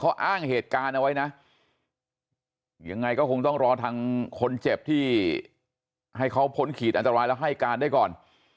เขาอ้างเหตุการณ์เอาไว้นะยังไงก็คงต้องรอทางคนเจ็บที่ให้เขาพ้นขีดอันตรายแล้วให้การได้ก่อน